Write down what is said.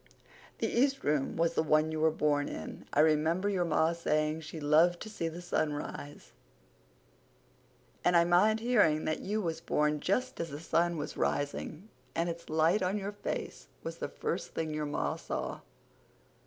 The east room was the one you were born in. I remember your ma saying she loved to see the sunrise; and I mind hearing that you was born just as the sun was rising and its light on your face was the first thing your ma saw."